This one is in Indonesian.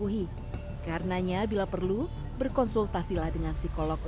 bukan balas dendam tapi menarik balik